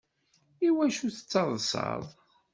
Iwacu tettaḍsaḍ?